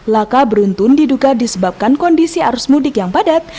laka beruntun diduga disebabkan kondisi arus mudik yang padat